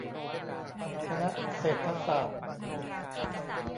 คณะเศรษฐศาสตร์